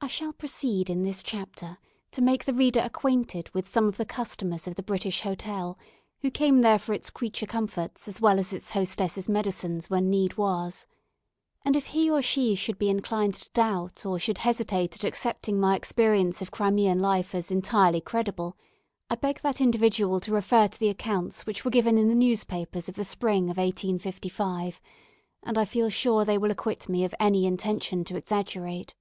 I shall proceed in this chapter to make the reader acquainted with some of the customers of the British Hotel, who came there for its creature comforts as well as its hostess's medicines when need was; and if he or she should be inclined to doubt or should hesitate at accepting my experience of Crimean life as entirely credible, I beg that individual to refer to the accounts which were given in the newspapers of the spring of 1855, and I feel sure they will acquit me of any intention to exaggerate.